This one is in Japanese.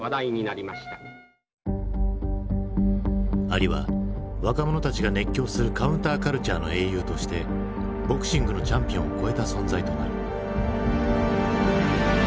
アリは若者たちが熱狂するカウンターカルチャーの英雄としてボクシングのチャンピオンを超えた存在となる。